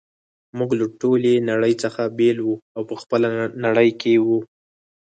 موږ له ټولې نړۍ څخه بیل وو او په خپله نړۍ کي وو.